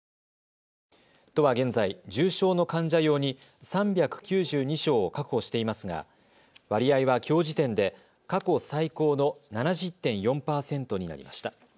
都は現在、重症の患者用に３９２床を確保していますが割合はきょう時点で過去最高の７０．４％になりました。